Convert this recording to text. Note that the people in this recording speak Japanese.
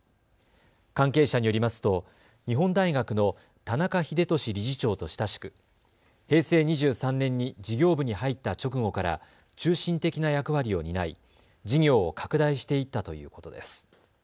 関係者によりますと日本大学の田中英壽理事長と親しく平成２３年に事業部に入った直後から中心的な役割を担い事業を拡大していったということです。